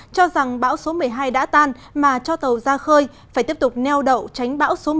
cho rằng bão số một mươi hai đã tan mà cho tàu ra khơi phải tiếp tục neo đậu tránh bão số một